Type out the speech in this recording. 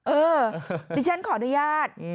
เออดิฉันขออนุญาต